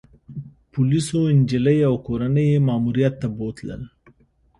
پولیسو انجلۍ او کورنۍ يې ماموریت ته بوتلل